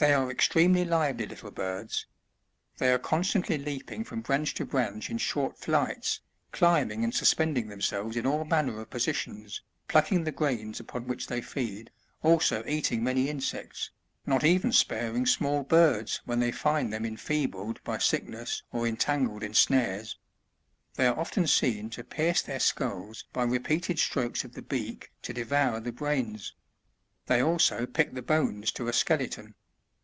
They are extremely lively little birds ; they are constantly leaping from branch to branch in short flights, climb ing and suspending themselves in all manner of positions, pluck ing the grains upon which they. feed, also eating many insects, not even sparing small birds when they find them enfeebled by sickness, or entangled in snares ; they are often seen to pierce their skulls by repeated strokes of the beak to devour the brains ; they also pick the bones to a skeleton.